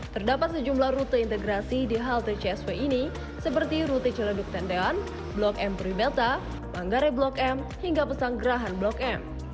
terdapat sejumlah rute integrasi di halte csw ini seperti rute celeduk tendelan blok m puribeta manggare blok m hingga pesang gerahan blok m